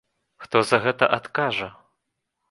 Хто за гэта адкажа?